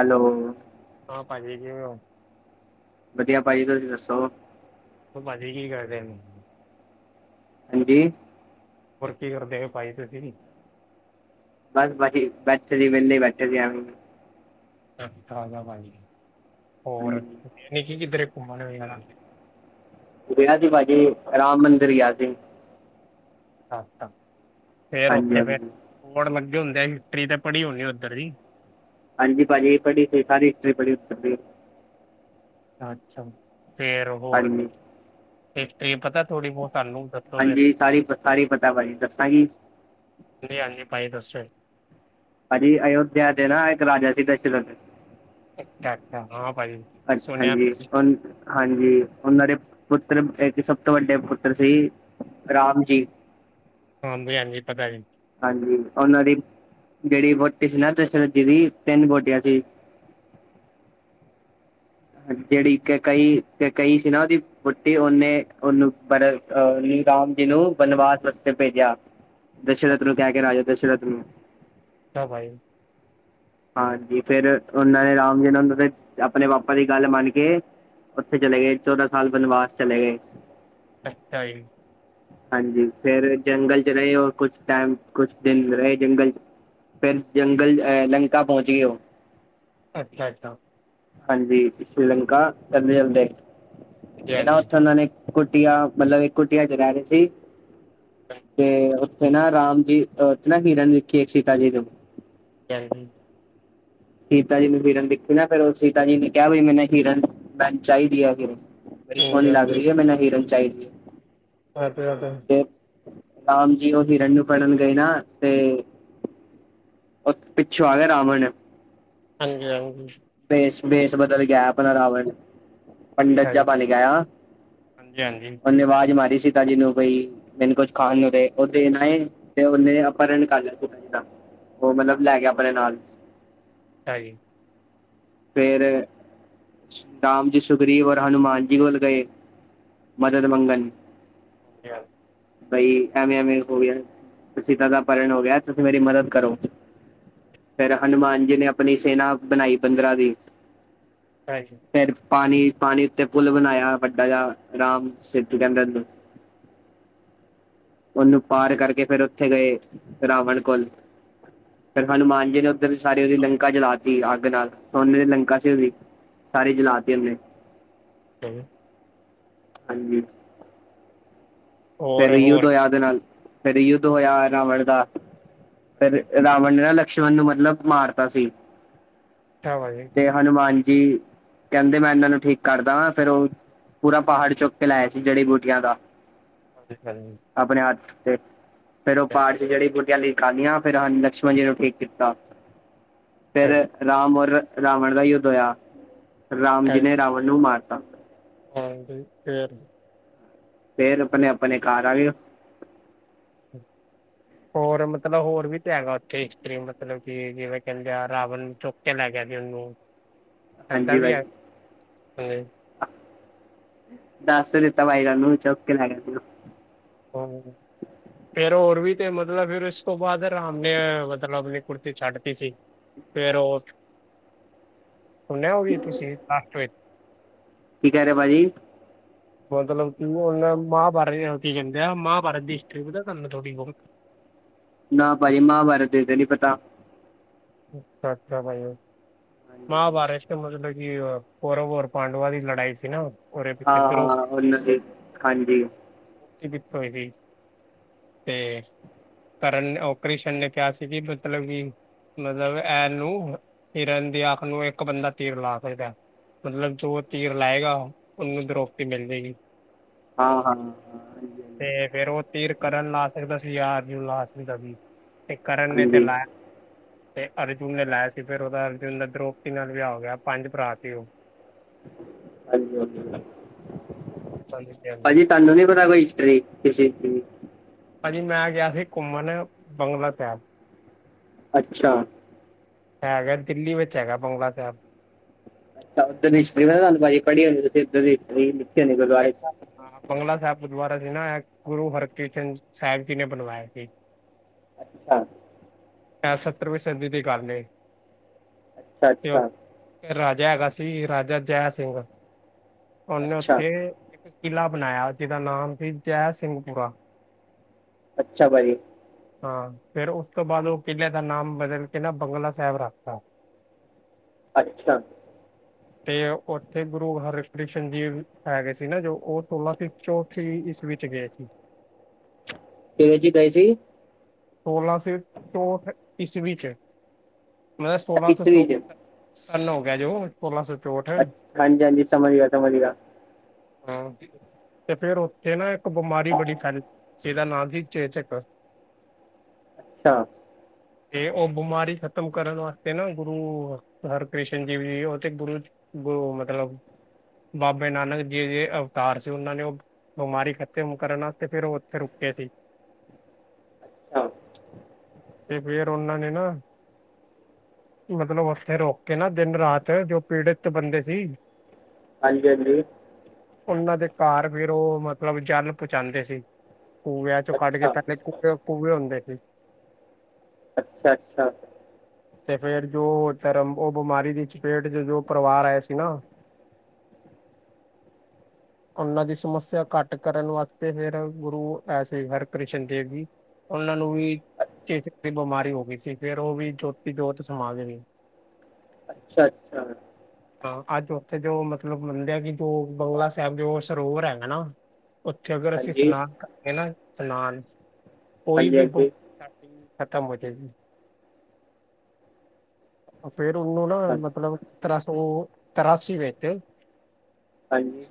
Hello. ਹਾਂ, ਭਾਜੀ ਕਿਵੇ ਔ? ਵਧੀਆ ਭਾਜੀ, ਤੁਸੀਂ ਦੱਸੋ? ਔਰ ਪਾਜੀ ਕੀ ਕਰਦੇਣੇਂ? ਹਾਂਜੀ। ਹੋਰ, ਕੀ ਕਰਦੇ [unintelligible] ਪਾਜੀ ਤੂਸੀ? ਬਸ ਬਾਜੀ ਬੈਠੇ ਸੀ, ਵੇਲੇ ਬੈਠੇ ਸੀ ਐਵੇਈ।। [inaudible] ਹੋਰ ਹਾਂਜੀ ਨੇ ਕਿ ਕਿੱਧਰੇ ਘੁੰਮਣ ਵੀ [unintelligible] ਗਿਆ ਸੀ ਭਾਜੀ, ਰਾਮ ਮੰਦਿਰ ਗਿਆ ਸੀ। ਅੱਛਾ, ਫਿਰ ਹਾਂਜੀ ਉੱਥੇ ਹਾਂਜੀ ਫਿਰ ਬਡ ਲੱਗੇ ਹੁੰਦੇ ਹਿਸਟਰੀ ਤੇ ਪੜ੍ਹੀ ਹੋਣੀ ਉੱਧਰ ਦੀ ਹਾਂਜੀ ਭਾਅਜੀ, ਪੜ੍ਹੀ ਸੀ ਸਾਰੀ ਹਿਸਟਰੀ ਪੜੀ। ਅੱਛਾ ਜੀ, ਫੇਰ ਹੋਰ ਹਾਂਜੀ ਹਿਸਟਰੀ ਪਤਾ ਥੋੜ੍ਹੀ ਬਹੁਤ ਤਾਨੂੰ ਹਾਂਜੀ, ਸਾਰੀ ਸਾਰੇ ਪਤਾ ਭਾਜੀ ਦੱਸਾਂਗੀ। ਹਾਂਜੀ, ਹਾਂਜੀ। ਭਾਈ ਦੱਸੋ। ਹਾਂਜੀ। ਅਯੋਧਿਆ ਦੇ ਨਾਂ ਇੱਕ ਰਾਜਾ ਸੀ ਦਸ਼ਰਥ। ਅੱਛਾ ਅੱਛਾ ਹਾਂ ਭਾਈ। ਅੱਛਾ ਜੀ। ਹੁਣ ਹਾਂਜੀ, ਉਹਨਾਂ ਦੇ ਪੁੱਤਰ ਇੱਕ ਸਭ ਤੋਂ ਵੱਡੇ ਪੁੱਤਰ ਸੀ, ਰਾਮ ਜੀ। ਹਾਂਜੀ, ਹਾਂਜੀ। ਪਤਾ ਜੀ। ਹਾਂਜੀ ਉਹਨਾਂ ਦੀ ਜਿਹੜੀ ਵਹੁਟੀ ਸੀ ਨਾ ਦਸ਼ਰਥ ਜੀ ਦੀ ਤਿੰਨ ਵਹੁਟੀਆਂ ਸੀ। ਜਿਹੜੀ ਕੇਕਈ ਕੇਕਈ ਸੀ ਨਾ ਉਹਦੀ ਵਹੁਟੀ ਉਹਨੇ ਉਹਨੂੰ ਬੜ ਅਹ ਨਹੀਂ ਰਾਮ ਜੀ ਨੂੰ ਬਨਵਾਸ ਵਾਸਤੇ ਭੇਜਿਆ ਦਸ਼ਰਥ ਨੂੰ ਕਹਿ ਕੇ ਰਾਜਾ ਦਸ਼ਰਥ ਨੂੰ। ਭਾਈ। ਹਾਂਜੀ। ਫਿਰ ਉਹਨਾਂ ਨੇ ਰਾਮ ਜੀ ਨੂੰ ਉਹਨਾਂ ਦੇ ਆਪਣੇ ਪਾਪਾ ਦੀ ਗੱਲ ਮੰਨ ਕੇ ਉੱਥੇ ਚਲੇ ਗਏ ਚੌਦਾਂ ਸਾਲ ਬਨਵਾਸ ਚਲੇ ਗਏ। ਅੱਛਾ ਜੀ। ਹਾਂਜੀ, ਫਿਰ ਜੰਗਲ ਚ ਰਹੇ ਉਹ ਕੁਛ ਟਾਈਮ ਕੁਛ ਦਿਨ ਰਹੇ ਜੰਗਲ ਚ। ਫਿਰ ਜੰਗਲ ਅ ਲੰਕਾ ਪਹੁੰਚ ਗਏ ਉਹ। ਅੱਛਾ-ਅੱਛਾ। ਹਾਂਜੀ, ਸ਼੍ਰੀਲੰਕਾ ਚੱਲਦੇ ਚੱਲਦੇ ਜੀ ਇਹ ਨਾ ਹਾਂਜੀ ਉੱਥੇ ਉਹਨਾਂ ਨੇ ਕੁੱਟੀਆ ਮਤਲਬ ਇੱਕ ਕੁਟੀਆ ਚ ਰਹਿ ਰਹੇ ਸੀ ਤੇ ਉਥੇ ਨਾ ਰਾਮ ਜੀ ਅਹ ਉੱਥੇ ਨਾ ਹਿਰਨ ਦਿੱਖੀ ਇੱਕ ਸੀਤਾ ਜੀ ਨੂੰ। ਚਲ ਬਈ। ਸੀਤਾ ਜੀ ਨੂੰ ਹਿਰਨ ਦਿੱਖੀ ਨਾ ਫਿਰ ਉਹ ਸੀਤਾ ਜੀ ਨੇ ਕਿਹਾ ਬਈ ਮੈਨੂੰ ਹਿਰਨ ਮੈਨੂੰ ਚਾਹੀਦੀ ਹੈ ਹਿਰਨ। ਬੜੀ ਸੋਹਣੀ ਲੱਗ ਹਾਂਜੀ ਰਹੀ ਏ ਮੈਨੂੰ ਹਿਰਨ ਚਾਹੀਦੀ ਹਾਂਜੀ ਏ, ਤੇ ਰਾਮ ਜੀ ਉਹ ਹਿਰਨ ਨੂੰ ਫੜਨ ਗਏ ਨਾ ਤੇ ਉਹ ਪਿੱਛੋਂ ਆ ਗਿਆ ਰਾਵਣ ਹਾਂਜੀ-ਹਾਂਜੀ। ਭੇਸ਼-ਭੇਸ਼ ਬਦਲ ਕੇ ਆਇਆ ਆਪਣਾ ਰਾਵਣ। ਪੰਡਤ ਜਿਹਾ ਬਣ ਕੇ ਆਇਆ। ਹਾਂਜੀ ਹਾਂਜੀ ਉਹ ਨੇ ਆਵਾਜ਼ ਮਾਰੀ ਸੀ। ਸੀਤਾ ਜੀ ਨੂੰ ਕਈ ਮੈਨੂੰ ਕੁਛ ਖਾਣ ਨੂੰ ਦੇ। ਉਹ ਦੇਣ ਆਏ ਤੇ ਉਹਨੇ ਅਪਹਰਨ ਕਰ ਲਿਆ ਸੀਤਾ ਜੀ ਦਾ। ਉਹ ਮਤਲਬ ਲੈ ਗਿਆ ਆਪਣੇ ਨਾਲ। ਅੱਛਾ ਜੀ। ਫਿਰ ਰਾਮ ਜੀ ਸੁਗਰੀਵ ਔਰ ਹਨੂੰਮਾਨ ਜੀ ਕੋਲ ਗਏ ਮਦਦ ਮੰਗਣ। ਹਾਂਜੀ। ਬਈ ਐਵੇਂ ਐਵੇਂ ਹੋ ਗਿਆ। ਸੀਤਾ ਦਾ ਅਪਹਰਣ ਹੋ ਗਿਆ। ਤੁਸੀਂ ਮੇਰੀ ਮਦਦ ਕਰੋ। ਫਿਰ ਹਨੂੰਮਾਨ ਜੀ ਨੇ ਆਪਣੀ ਸੇਨਾ ਬਣਾਈ ਬੰਦਰਾ ਦੀ। ਹਾਂਜੀ। ਫਿਰ ਪਾਣੀ ਪਾਣੀ ਉੱਤੇ ਪੁਲ ਬਣਾਇਆ ਵੱਡਾ ਜਿਹਾ ਰਾਮ ਸੇਤੂ ਕਹਿੰਦੇ ਉਹਨੂੰ। ਉਹਨੂੰ ਪਾਰ ਕਰਕੇ ਫਿਰ ਉੱਥੇ ਗਏ ਰਾਵਣ ਕੋਲ। ਫਿਰ ਹਨੂੰਮਾਨ ਜੀ ਨੇ ਉੱਧਰ ਸਾਰੀ ਉਹਦੀ ਲੰਕਾ ਜਲਾ ਤੀ ਅੱਗ ਨਾਲ। ਸੋਨੇ ਦੀ ਲੰਕਾ ਸੀ ਉਹਦੀ ਸਾਰੀ ਜਲਾ ਤੀ ਉਹਨੇ। [unintelligible] ਹਾਂਜੀ। ਹੋਰ ਫਿਰ ਯੁੱਧ ਹੋਰ ਹੋਇਆ ਉਹਦੇ ਨਾਲ। ਫਿਰ ਯੁੱਧ ਹੋਇਆ ਰਾਵਣ ਦਾ। ਫਿਰ ਹਾਂਜੀ ਰਾਵਣ ਨੇ ਨਾ ਸ਼ਰਵਣ ਨੂੰ ਮਤਲਬ ਮਾਰਤਾ ਸੀ। [unintelligible] ਜੀ। ਤੇ ਹਨੂੰਮਾਨ ਜੀ ਕਹਿੰਦੇ ਮੈਂ ਇਹਨਾਂ ਨੂੰ ਠੀਕ ਕਰਦਾ ਫਿਰ ਉਹ ਪੂਰਾ ਪਹਾੜ ਚੁੱਕ ਕੇ ਲੈ ਆਏ ਸੀ ਜੜੀ ਬੂਟੀਆਂ ਦਾ। ਅੱਛਾ ਜੀ। ਆਪਣੇ ਹੱਥ ਤੇ ਫਿਰ ਉਹ ਪਹਾੜ ਚ ਜੜੀ ਬੁਟੀਆਂ ਲਈ ਖਾਧੀਆਂ ਫਿਰ ਹਾਂ ਲਕਸ਼ਮਣ ਜੀ ਨੂੰ ਠੀਕ ਕੀਤਾ। ਫਿਰ ਚਲੋ, ਰਾਮ ਔਰ ਰਾਵਣ ਦਾ ਯੁੱਧ ਹੋਇਆ, ਰਾਮ ਜੀ ਨੇ ਰਾਵਣ ਨੂੰ ਮਾਰ ਹਾਂ, ਬਈ ਫੇਰ? ਫੇਰ, ਆਪਣੇ-ਆਪਣੇ ਘਰ ਆ ਗਏ ਓ। ਹੋਰ ਮਤਲਬ, ਹੋਰ ਵੀ ਤੇ ਹੈਗਾ, ਉੱਥੇ ਹਿਸਟਰੀ ਮਤਲਬ ਕਿ, ਜਿਵੇਂ ਕਹਿੰਦੇ ਆ, ਰਾਵਣ ਚੁੱਕ ਕੇ ਲੈ ਗਿਆ ਸੀ, ਉਹਨੂੰ। ਏਦਾਂ ਹਾਂਜੀ, ਵੀ ਹੈ ਹਾਂਜੀ, [unintelligible] ਦੱਸ ਤੇ ਦਿੱਤਾ ਬਾਈ ਤੁਹਾਨੂੰ, ਚੁੱਕ ਕੇ ਲੈ ਗਏ ਸੀ ਹੂੰ। ਫੇਰ, ਹੋਰ ਵੀ ਤੇ ਮਤਲਬ, ਫਿਰ ਉਸ ਤੋਂ ਬਾਅਦ ਰਾਮ ਨੇ ਮਤਲਬ, ਆਪਣੀ ਕੁੁੜਤੀ ਛੱਡ ਤੀ ਸੀ। [unintelligible] ਕੀ, ਕਹਿ ਰਹੇ ਹੋ ਭਾਜੀ? ਮਤਲਬ ਕਿ, ਹੁਣ ਮਹਾਭਾਰਤ। [unintelligible] ਕਿ ਕਹਿੰਦੇ ਆ, ਮਹਾਭਾਰਤ ਦੀ ਹਿਸਟਰੀ ਪਤਾ ਹੈ? ਤੁਹਾਨੂੰ ਥੋੜੀ ਬਹੁਤ। ਨਾ, ਭਾਈ ਮਹਾਭਾਰਤ ਦੀ ਤੇ ਨਹੀਂ ਪਤਾ। ਟਾਂ-ਟਾਂ [unintelligible] ਮਹਾਭਾਰਤ ਚ। ਮਤਲਬ ਕਿ, ਕੌਰਵ ਔਰ ਪਾਂਡਵਾਂ ਦੀ, ਲੜਾਈ ਸੀ ਨਾ। ਉਹਦੇ ਪਿੱਛੇ ਹਾਂ- ਦ੍ਰੋਪਦੀ ਹਾਂ [unintelligible] ਹਾਂਜੀ। ਓਕੇ, ਬਿਟ ਪਾਈ ਗਈ। ਤੇ ਕਰਨ ਉਹ ਕ੍ਰਿਸ਼ਨ ਨੇ ਕਿਹਾ ਸੀ, ਕਿ ਮਤਲਬ ਕਿ ਮਤਲਬ, ਐਨ ਨੂੰ, ਹਿਰਨ ਦੀ ਅੱਖ ਨੂੰ, ਇੱਕ ਬੰਦਾ ਤੀਰ ਲਾ ਸਕਦਾ। ਮਤਲਬ ਜੋ ਤੀਰ ਲਾਏਗਾ, ਉਹਨੂੰ ਦਰੋਪਦੀ ਮਿਲ ਜਾਏਗੀ। ਹਾਂ- ਹਾਂ। ਹਾਂਜੀ ਤੇ ਫੇਰ, ਉਹ ਤੀਰ ਕਰਨ ਲਾ ਸਕਦਾ ਸੀ, ਯਾ ਅਰਜੁਨ ਲਾ ਸਕਦਾ ਸੀ, ਤੇ ਕਰਨ ਨੇ ਤੇ ਹਾਂਜੀ ਲਾਇਆ ਤੇ, ਅਰਜੁਨ ਨੇ ਲਾਇਆ ਸੀ, ਫਿਰ ਉਹਦਾ ਅਰਜੁਨ ਦਾ ਦਰੋਪਤੀ ਨਾਲ ਵਿਆਹ ਹੋ ਗਿਆ, ਪੰਜ ਭਰਾ ਸੀ, ਉਹ ਹਾਂਜੀ -ਹਾਂਜੀ, ਹਾਂਜੀ, ਭਾਜੀ ਹਾਂਜੀ। ਤਹਾਨੂੰ ਨੀ ਪਤਾ ਕੋਈ ਹਿਸਟਰੀ? [inaudible] ਭਾਜੀ ਮੈਂ ਗਿਆ ਸੀ, ਘੁੰਮਣ ਬੰਗਲਾ ਸਾਹਿਬ ਅੱਛਾ। ਹੈਗਾ, ਦਿੱਲੀ ਵਿੱਚ ਹੈਗਾ, ਬੰਗਲਾ ਸਾਹਿਬ। ਅੱਛਾ ਉਧਰ ਦੀ, ਹਿਸਟਰੀ ਪਤਾ ਤੁਹਾਨੂੰ ਭਾਜੀ ਪੜੀ ਹੋਣੀ ਤੁਸੀਂ, ਹਿਸਟਰੀ ਲਿਖੀ ਹੁੰਦੀ, [unintelligible] ਗੁਰਦੁਆਰੇ ਚ। ਹਾਂ, ਬੰਗਲਾ ਸਾਹਿਬ ਗੁਰਦੁਆਰਾ ਸੀ ਨਾ, ਅ ਗੁਰੂ ਹਰਿਕ੍ਰਿਸ਼ਨ ਸਾਹਿਬ ਜੀ ਨੇ, ਬਣਵਾਇਆ ਸੀ। ਅੱਛਾ। ਐ ਸੱਤਰ ਵੀਂ ਸਦੀ ਦੀ ਗੱਲ ਏ, ਅੱਛਾ ਤੇ ਓ ਅੱਛਾ ਰਾਜਾ ਹੈਗਾ ਸੀ, ਰਾਜਾ ਜੈ ਸਿੰਘ, ਉਹਨੇ ਅੱਛਾ ਉੱਥੇ ਕਿਲ੍ਹਾ ਬਣਾਇਆ, ਜਿਹਦਾ ਨਾਮ ਸੀ ਜੈ ਸਿੰਘਪੁਰਾ। ਅੱਛਾ ਭਾਜੀ। ਹਾਂ, ਫਿਰ ਉਸ ਤੋਂ ਬਾਅਦ, ਉਹ ਕਿਲ੍ਹੇ ਦਾ ਨਾਮ ਬਦਲ ਕੇ ਨਾ, ਬੰਗਲਾ ਸਾਹਿਬ ਰੱਖ ਤਾ। ਅੱਛਾ। ਤੇ, ਉੱਥੇ ਗੁਰੂ ਹਰਿਕ੍ਰਿਸ਼ਨ ਜੀ ਹੈਗੇ ਸੀ ਨਾ, ਜੋ ਉਹ ਸੋਲਾਂ ਚੌਥੀ, ਇਸਵੀ ਚ ਗਏ ਸੀ। ਕਿਹਦੇ ਚ, ਗਏ ਸੀ? ਸੋਲਾਂ ਸੌ ਚੌੰਹਠ ਈਸਵੀ ਚ, ਮਤਲਬ ਅੱਛਾ ਸੋਲਾਂ ਸੌ ਈਸਵੀ ਚੌਹ ਚ ਸੰਨ, ਹੋ ਗਿਆ ਜੋ। ਸੋਲਾਂ ਸੌ ਚੌੰਹਠ। ਅੱ ਹਾਂਜੀ -ਹਾਂਜੀ, ਸਮਝ ਗਿਆ- ਸਮਝ ਗਿਆ। ਹਾਂ, ਤੇ ਫੇਰ ਉੱਥੇ ਨਾ, ਇੱਕ ਬਿਮਾਰੀ ਬੜੀ ਫੈਲੀ। ਜਿਹਦਾ, ਨਾਂ ਸੀ ਚੇਚਕ ਅੱਛਾ। ਤੇ, ਉਹ ਬਿਮਾਰੀ ਖ਼ਤਮ ਕਰਨ ਵਾਸਤੇ ਨਾ, ਗੁਰੂ ਹਰਿ ਕ੍ਰਿਸ਼ਨ ਜੀ ਵੀ, ਉਹ ਤੇ ਗੁਰੂ ਗੁਰੂ ਮਤਲਬ ਬਾਬੇ ਨਾਨਕ ਜੀ ਦੇ ਅਵਤਾਰ ਸੀ, ਉਹਨਾਂ ਨੇ ਉਹ ਬਿਮਾਰੀ ਖ਼ਤਮ ਕਰਨ ਵਾਸਤੇ, ਫੇਰ ਉਹ ਉੱਥੇ ਰੁਕੇੇ ਸੀ। ਅੱਛਾ। ਤੇ ਫਿਰ ਓਹਨਾਂ ਨੇ, ਨਾ ਮਤਲਬ ਉੱਥੇ ਰੋਕਕੇ ਨਾ ਦਿਨ-ਰਾਤ, ਜੋ ਪੀੜੀਤ ਬੰਦੇ ਸੀ ਹਾਂਜੀ-ਹਾਂਜੀ। ਉਹਨਾਂ ਦੇ ਘਰ ਫਿਰ ਉਹ, ਮਤਲਬ ਜਲ ਪਹੁੰਚਾਉਂਦੇ ਸੀ। ਖੂ ਕੱਢਕੇ ਅੱਛਾ ਪਹਿਲੇ ਕੂ, ਕੂਏ ਹੁੰਦੇ ਸੀ। ਅੱਛਾ-ਅੱਛਾ। ਤੇ ਫਿਰ ਜੋ ਓਹ ਧਰਮ, ਉਹ ਬਿਮਾਰੀ ਦੀ ਚਪੇਟ'ਚ ਜੋ ਪਰਿਵਾਰ ਆਇਆ ਸੀ, ਨਾ [inaudible] ਉਹਨਾਂ ਦੀ ਸਮੱਸਿਆ ਘੱਟ ਕਰਨ ਵਾਸਤੇ ਫਿਰ, ਗੁਰੂ ਐਸੀ ਹਰਕ੍ਰਿ ਸ਼ਨੀ ਦੇਵ ਵੀ, ਓਹਨਾਂ ਨੂੰ ਵੀ ਚੇਚਕ ਦੀ ਬਿਮਾਰੀ ਹੋ ਗਈ ਸੀ, ਫਿਰ ਉਹ ਵੀ ਜੋਤੀ-ਜੋਤ ਸਮਾ ਗਏ। ਅੱਛਾ-ਅੱਛਾ। ਹਾਂ, ਅੱਜ ਉੱਥੇ ਜੋ ਮਤਲਬ ਮੰਨਦੇ ਆ ਕਿ, ਜੋ ਬੰਗਲਾ ਸਾਹਿਬ ਜੋ ਸਰੋਵਰ ਹੈਗਾ ਨਾ ਉੱਥੇ ਅਗਰ ਅਸੀਂ ਹਾਂਜੀ ਸਨਾਨ ਕਰਦੇ ਨਾ ਸਨਾਨ। ਕੋਈ ਹਾਂਜੀ ਵੀ ਹਾਂਜੀ ਬਮਾ--ਡੀ, ਖਤਮ ਹੋਜੇਗੀ। [inaudible] ਫੇਰ ਉਹਨੂੰ ਨਾ, ਮਤਲਬ ਸਤਰਾਂ ਸੋ, ਤਰਾਸੀ ਵਿੱਚ ਹਾਂਜੀ।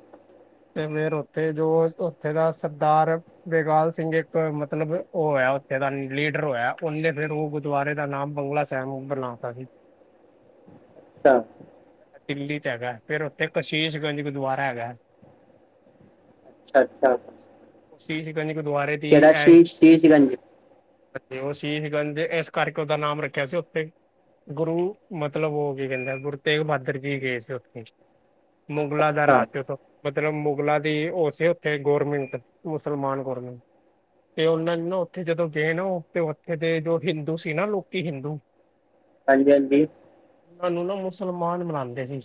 ਤੇ ਫੇਰ ਉੱਥੇ ਜੋ, ਉੱਥੇ ਦਾ ਸਰਦਾਰ ਬੇਗਾਲ ਸਿੰਘ ਏ ਮਤਲਬ ਉਹ ਹੋਇਆ, ਉੱਥੇ ਦਾ ਲੀਡਰ ਹੋਇਆ। ਉਹਨੇ ਫੇਰ, ਉਹ ਗੁਰਦੁਆਰੇ ਦਾ ਨਾਮ ਬੰਗਲਾ ਸਾਹਿਬ ਬਣਾ ਤਾਹੀ ਅੱਛਾ। ਦਿੱਲੀ'ਚ ਹੈਗਾ। ਫੇਰ ਉੱਥੇ ਕਸ਼ੀਸ਼ਗੰਜ ਗੁਰਦੁਆਰਾ ਹੈਗਾ। ਅੱਛਾ-ਅੱਛਾ। ਸ਼ੀਸ਼ਗੰਜ ਗੁਰਦੁਆਰੇ ਦੀ ਐ ਸ਼ੀ ਸ਼ੀਸ਼ਗੰਜ ਉਹ ਸੀਸਗੰਜ ਏ, ਇਸ ਕਰਕੇ ਉਹਦਾ ਨਾਮ ਰੱਖਿਆ ਸੀ ਓ ਤੇ। ਗੁਰੂ, ਮਤਲਬ ਉਹ ਕੀ ਕਹਿੰਦੇ, ਗੁਰੂ ਤੇਗ ਬਹਾਦਰ ਜੀ ਗਏ ਸੀ ਉੱਥੇ। ਮੁਗਲਾਂ ਦਾ ਅੱਛਾ ਰਾਹਤੇ ਤੋਂ ਮਤਲਬ ਮੁਗਲਾਂ ਦੀ ਉਹ ਸੀ ਉੱਥੇ, ਗੌਰਮੀਂਟ, ਮੁਸਲਮਾਨ ਗੌਰਮੀਂਟ‌। ਤੇ ਉਹਨਾਂ ਨਾ ਨੇ, ਉੱਥੇ ਜਦੋਂ ਗਏ ਨਾ, ਉਹ ਤੇ ਉੱਥੇ ਦੇ ਜੋ ਹਿੰਦੂ ਸੀ ਨਾ, ਲੋਕੀ ਹਿੰਦੂ ਹਾਂਜੀ-ਹਾਂਜੀ। ਉਹਨਾਂ ਨੂੰ ਨਾ, ਮੁਸਲਮਾਨ ਬਣਾਂਦੇ ਸੀ।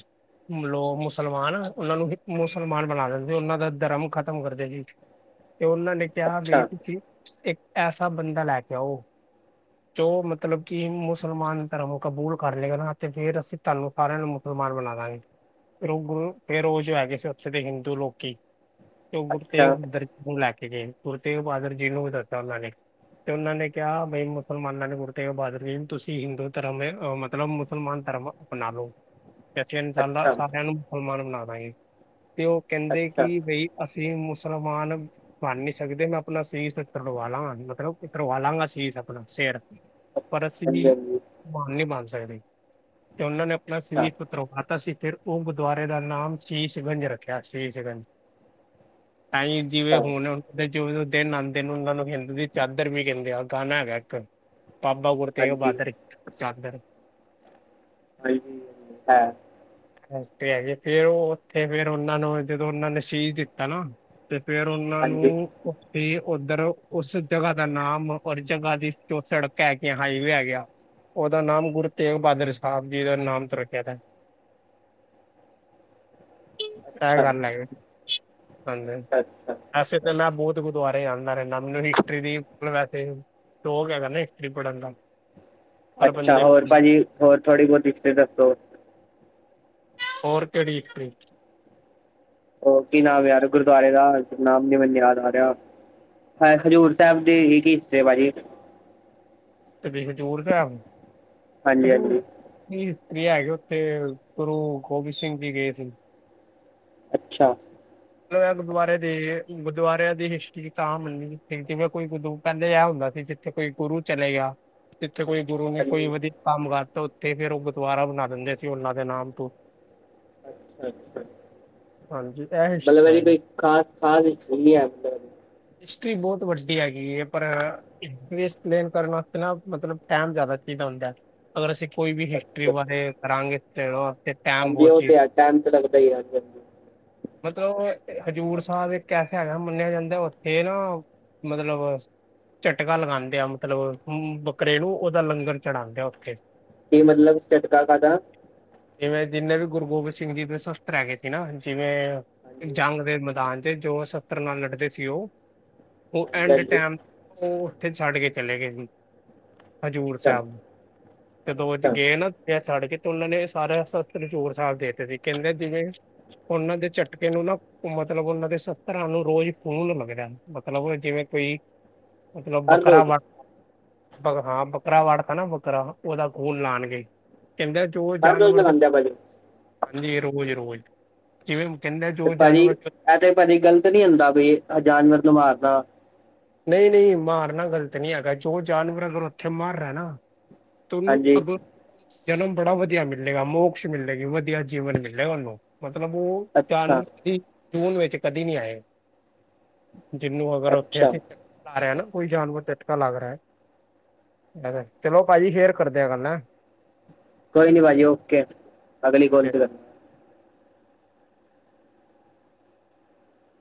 ਲੋ ਮੁਸਲਮਾਨ, ਉਹਨਾਂ ਨੂੰ ਮੁਸਲਮਾਨ ਬਣਾ ਦਿੰਦੇ ਉਹਨਾਂ ਦਾ ਧਰਮ ਖ਼ਤਮ ਕਰਦੇ ਸੀ। ਤੇ ਉਹਨਾਂ ਨੇ ਕਿਹਾ, ਵੀ ਅੱਛਾ ਤੁਸੀਂ ਇੱਕ ਐਸਾ ਬੰਦਾ ਲੈਕੇ ਆਓ ਜੋ, ਮਤਲਬ ਕਿ ਮੁਸਲਮਾਨ ਧਰਮ ਕਬੂਲ ਕਰ ਲਏਗਾ, ਨਾ ਤੇ ਫੇਰ ਅਸੀਂ ਧਾੰਨੁ ਸਾਰਿਆ ਨੂੰ, ਮੁਸਲਮਾਨ ਬਣਾਦਾਂਗੇ। ਰੁ ਗੁਰੂ, ਫੇਰ ਓ ਜੋ ਹੈਗੇ ਸੀ, ਉੱਥੋ ਦੇ ਹਿੰਦੂ ਲੋਕੀ। ਤੇ ਅੱਛਾ ਗੁਰਤੇਗਬਹੲਦਰ ਜੀ ਨੂੰ ਲੈਕੇ ਗਏ, ਗੁਰ ਤੇਗਬਹਾਦਰ ਜੀ ਨੂੰ ਵੀ ਦੱਸਿਆ ਉਹਨਾਂ ਨੇ। ਤੇ ਉਹਨਾਂ ਨੇ ਕਿਹਾ, ਬਈ ਮੁਸਲਮਾਨਾਂ ਨੇ ਗੁਰੂ ਤੇਗ ਬਹਾਦੁਰ ਜੀ ਨੂੰ, ਤੁਸੀਂ ਹਿੰਦੂ ਧਰਮ, ਮਤਲਬ ਮੁਸਲਮਾਨ ਧਰਮ ਅਪਨਾਲੋ [inaudible] ਐਸੇ ਅਹਿਸਾਨ ਦਾ ਅੱਛਾ ਸਾਰਿਆਂ ਨੂੰ ਮੁਸਲਮਾਨ ਬਣਾਦਾਂਗੇ, ਤੇ ਉਹ ਕਹਿੰਦੇ ਅੱਛਾ ਕਿ ਬਈ ਅਸੀਂ ਮੁਸਲਮਾਨ ਬਣ ਨਹੀਂ ਸਕਦੇ, ਮੈਂ ਆਪਣਾ ਸੀਸ ਤਵਾ ਲਾਂਗਾ, ਮਤਲਬ ਉਤਰਵਾ ਲਾਂਗਾ ਸੀਸ ਆਪਣਾ, ਸਿਰ ਪਰ ਅਸੀ ਹਾਂਜੀ ਨਹੀ, ਹਾਂਜੀ ਮ੍ਹਾਨ ਨੀ ਬਣ ਸਕਦੇ। ਤੇ ਉਹਨਾਂ ਨੇ ਆਪਣਾ ਅੱਛਾ ਸਰੀਰ ਉਤਰਵਾਤਾ ਸੀ, ਫਿਰ, ਉਹ ਗੁਰਦੁਆਰੇ ਦਾ ਨਾਮ ਸੀਸ਼ਗੰਜ ਰੱਖਿਆ, ਸ਼ੀਸ਼ਗੰਜ। ਹ ਤਾਂਈ, ਜਿਵੇਂ ਹੋਣ ਤੇ ਚੋਵੀ ਸੋ ਦਿਨ ਆਂਦੇ, ਉਹਨਾਂ ਨੂੰ ਹਿੰਦ ਦੀ ਚਾਦਰ ਵੀ ਕਹਿੰਦੇ ਆ, ਗਾਣਾ ਹੈਗਾ ਇੱਕ। ਬਾਬਾ ਗੁਰੂ ਤੇਗ ਹਾਂਜੀ ਬਹਾਦਰ ਚਾਦਰ ਹਾਂਜੀ ਹਾਂ ਹੱਸਦੇ ਹੈਗੇ ਫਿਰ ਉਹ ਉੱਥੇ ਫਿਰ ਉਹਨਾਂ ਨੂੰ ਜਦੋਂ ਉਹਨਾਂ ਨੇ ਸੀਜ ਦਿੱਤਾ ਨਾ ਤੇ ਫੇਰ ਉਹਨਾਂ ਹਾਂਜੀ ਨੂੰ ਉੱਤੇ ਉੱਧਰ ਉਸ ਜਗ੍ਹਾ ਦਾ ਨਾਮ ਉਸ ਜਗ੍ਹਾ ਦੀ ਜੋ ਸੜਕ ਹੈ ਗ ਹਾਈਵੇ ਹੈ ਗਿਆ ਉਹਦਾ ਨਾਮ ਗੁਰੂ ਤੇਗ ਬਹਾਦਰ ਸਾਹਿਬ ਜੀ ਦਾ ਨਾਮ ਤੋਂ ਰੱਖਿਆ ਤ [inaudible] ਐ ਅੱਛਾ ਗੱਲ ਲਗ ਹਦੇ ਅੱਛਾ ਅੱਛਾ ਅਸ [unintelligible] ਤੇ ਮੈਂ ਬਹੁਤ ਗੁਰਦੁਆਰੇ ਜਾਂਦਾ ਰਹਿੰਦਾ, ਮੈਨੂੰ ਹਿਸਟਰੀ ਦੀ ਮਤਲਬ ਵੈਸੇ ਸਟੋਰ ਹੈਗਾ ਨਾ ਹਿਸਟਰੀ ਪੜਨ ਦਾ ਹਰ ਅੱਛਾ ਬੰਦੇ ਨੂੰ ਹੋਰ ਭਾਜੀ ਹੋਰ ਥੋੜੀ ਬਹੁਤੀ ਹਿਸਟਰੀ ਦੱਸੋ ਹੋਰ ਕਿਹੜੀ ਹਿਸਟਰੀ ਉਹ ਕੀ ਨਾਮ ਯਾਰ ਗੁਰਦੁਆਰੇ ਦਾ ਨਾਮ ਨੀ ਮੈਨੂੰ ਯਾਦ ਆ ਰਿਹਾ ਹਾਂ ਖਜੂਰ ਸਾਹਿਬ ਦੀ ਕੀ ਹਿਸਟਰੀ ਭਾਜੀ ਤੇ ਹਜੂਰ ਸਾਹਿਬ ਹਾਂਜੀ ਹਾਂਜੀ ਹਿਸਟਰੀਆ ਹੈਗੇ ਉੱਥੇ ਗੁਰੂ ਗੋਬਿੰਦ ਸਿੰਘ ਜੀ ਗਏ ਸੀ ਅੱਛਾ ਮਤਲਬ ਗੁਰਦੁਆਰੇ ਦੇ ਗੁਰਦੁਆਰਿਆਂ ਦੀ ਹਿਸਟਰੀ ਤਾਂ ਮੰਨੀ ਜਿਵੇਂ ਕੋਈ ਗੁਰਦ ਪਹਿਲੇ ਇਹ ਹੁੰਦਾ ਸੀ ਜਿੱਥ ਤੇ ਕੋਈ ਗੁਰੂ ਚਲੇਗਾ ਜਿੱਥੇ ਕੋਈ ਗੁਰੂ ਨੇ ਕੋਈ ਹਾਂਜੀ ਵਧੀਆ ਕੰਮ ਕਰਤਾ ਉੱਥੇ ਫੇਰ ਉਹ ਗੁਰਦਆਰਾ ਬਣਾ ਦਿੰਦੇ ਸੀ ਉਹਨਾ ਦੇ ਨਾਮ ਤੋਂ ਅੱਛਾ ਅੱਛਾ ਹਾਂਜੀ ਇਹ ਮਤਲਬ ਹਿਸਟਰੀ ਇਹਦੀ ਹੈਗੀ ਕੋਈ ਖਾ ਖਾਸ ਨ ਹੈਬ ਹਿਸਟਰੀ ਬਹੁਤ ਵੱਡੀ ਹੈਗੀ ਹੈ ਪਰ ਐਕਸਪਲੇਨ ਕਰਨ ਵਾਸਤੇ ਨਾ ਮਤਲਬ ਟਾਈਮ ਜ਼ਿਆਦਾ ਚਾਹੀਦਾ ਹੁੰਦਾ ਅਗਰ ਅਸੀਂ ਕੋਈ ਵੀ ਹਿਸਟਰੀ ਅੱਛਾ ਵਾ ਅੱਛਾ ਇਹ ਕਰਾਂਗੇ ਤੇ ਉਹ ਹਾਂਜੀ ਉਹ ਤੇ ਹੈ ਟਾਈਮ ਲਗਦਾ ਹੀ ਅੱਜ ਕੱਲ੍ਹ ਮਤਲਬ ਹਜ਼ੂਰ ਸਾਹਿਬ ਇੱਕ ਐਸਾ ਹੈਗਾ ਮੰਨਿਆ ਜਾਂਦਾ ਉੱਥੇ ਨਾ, ਮਤਲਬ ਝਟਕਾ ਲਗਾਉਂਦੇ ਆ ਮਤਲਬ ਬੱਕਰੇ ਨੂੰ ਉਹਦਾ ਲੰਗਰ ਚੜਾਉਂਦੇ ਆ ਉੱਥੇ ਕੀ ਮਤਲਬ ਝਟਕਾ ਕਾਹਦਾ ਜਿਵੇਂ ਜਿੰਨੇ ਵੀ ਗੁਰੂ ਗੋਬਿੰਦ ਸਿੰਘ ਜੀ ਦੇ ਸਸਤਰ ਹੈ ਗਏ ਸੀ ਨਾ, ਜਿਵੇਂ ਹਾਂਜੀ ਜੰਗ ਦੇ ਮੈਦਾਨ ਤੇ ਜੋ ਸਸਤਰ ਨਾਲ ਲੜਦੇ ਸੀ ਉਹ, ਉਹ ਹਾਂਜੀ ਐਂਡ ਹਾਂਜੀ ਟਾਈਮ ਉਹ ਉੱਥੇ ਛੱਡ ਕੇ ਚਲੇ ਗਏ ਸੀ, ਹਜ਼ੂਰ ਸਾਹਿਬ ਹ [inaudible] ਜਦੋ ਉਹ 'ਚ ਗਏ ਨਾ ਛੱਡ ਕੇ ਤੇ ਉਹਨਾਂ ਨੇ ਸਾਰੇ ਸਸਤਰ ਛੋੜ ਛਾੜ ਸੀ ਕਹਿੰਦੇ ਜਿਵੇਂ ਉਹਨਾਂ ਦੇ ਝਟਕੇ ਨੂੰ ਨਾ ਮਤਲਬ ਉਹਨਾਂ ਦੇ ਸ਼ਸਤਰਾਂ ਨੂੰ ਰੋਜ਼ ਖੂਨ ਲੱਗ ਰਿਹਾ ਮਤਲਬ ਜਿਵੇਂ ਕੋਈ, ਮਤਲਬ ਹਰ ਬੱਕਰਾ ਰੋਜ਼ ਵਰ ਬ ਹਾਂ ਬੱਕਰਾ ਵਢਤਾ ਨਾ ਬੱਕਰਾ ਉਹਦਾ ਖੂਨ ਲਾਉਣਗੇ ਕਹਿੰਦਾ ਜੋ ਹਰ ਰੋਜ਼ ਜਾਨਵਰ, ਲਗਾਉਂਦੇ ਆ ਭਾਜੀ ਹਾਂਜੀ ਰੋਜ਼ -ਰੋਜ਼, ਜਿਵੇਂ ਕਹਿੰਦਾ ਜੋ ਭਾਜੀ ਜਾਨਵਰ ਦੇ- ਇਹ ਤੇ ਭਾਜੀ ਗ਼ਲਤ ਨੀ ਹੁੰਦਾ ਵੀ ਜਾਨਵਰ ਨੂੰ ਮਾਰਨਾ ਨਹੀਂ -ਨਹੀਂ ਮਾਰਨਾ ਗ਼ਲਤ ਨਹੀਂ ਹੈਗਾ ਜੋ ਜਾਨਵਰ ਅਗਰ ਉੱਥੇ ਮਾਰ ਰਿਹਾ ਨਾ ਤੁਹਨੂੰ ਹਾਂਜੀ ਅਬ [unintelligible] ਜਨਮ ਬੜਾ ਵਧੀਆ ਮਿਲੇਗਾ, ਮੋਕਸ ਮਿਲੇਗੀ, ਵਧੀਆ ਜੀਵਨ ਮਿਲੇਗਾ, ਉਹਨੂੰ ਮਤਲਬ ਉਹ ਅੱਛਾ ਜਾਨਵਰ ਦੀ ਜੂਨ ਵਿੱਚ ਕਦੀ ਨਹੀਂ ਆਏ, ਜਿਹਨੂੰ ਅਗਰ ਉੱਥੇ ਅੱਛਾ ਅਸੀਂ ਲਾ ਰਿਹਾ ਨਾ ਕੋਈ ਜਾਨਵਰ ਝਟਕਾ ਲੱਗ ਰਿਹਾ ਹੈ ਚਲੋ ਭਾਜੀ ਫੇਰ ਕਰਦੇ ਆ ਗੱਲ ਕੋਈ ਨੀ ਭਾਜੀ ਓਕੇ, ਅਗਲੀ ਕੋਲ 'ਚ ਲਗਣਾ